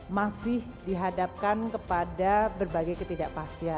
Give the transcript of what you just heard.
masih dihadapkan kepada berbagai ketidakpastian